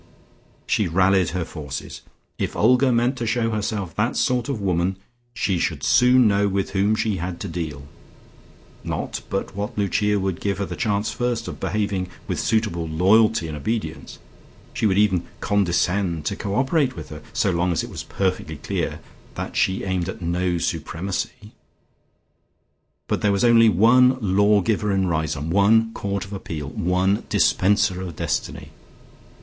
She rallied her forces. If Olga meant to show herself that sort of woman, she should soon know with whom she had to deal. Not but what Lucia would give her the chance first of behaving with suitable loyalty and obedience; she would even condescend to cooperate with her so long as it was perfectly clear that she aimed at no supremacy. But there was only one lawgiver in Riseholme, one court of appeal, one dispenser of destiny.